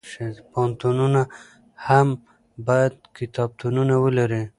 پوهنتونونه هم باید کتابتونونه ولري.